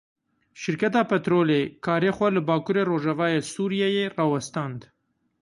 Şirketa petrolê karê xwe li bakurê rojavayê Sûriyeyê rawestand.